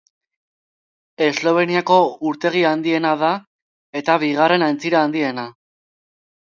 Esloveniako urtegi handiena da eta bigarren aintzira handiena.